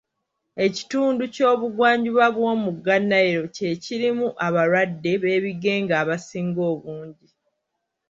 Ekitundu ky'obugwanjuba bw'omugga Nile ky'ekirimu abalwadde b'ebigenge abasinga obungi.